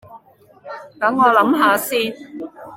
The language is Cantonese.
等我諗吓先